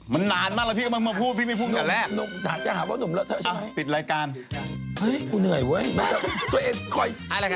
มันนานมากเลยพี่ก็มาพูดพี่ไม่พูดอย่างแรก